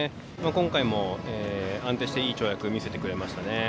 今回も、安定していい跳躍を見せてくれましたね。